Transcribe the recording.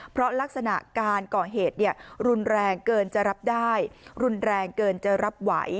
เพราะลักษณะการก่อเหตุรุนแรงเกินจะรับได้รุนแรงเกินจะรับไหว